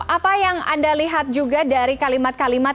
apa yang anda lihat juga dari kalimat kalimat